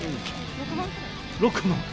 ６万？